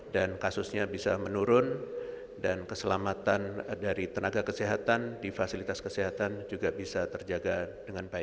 dan kasusnya bisa menurun dan keselamatan dari tenaga kesehatan di fasilitas kesehatan juga bisa terjaga dengan baik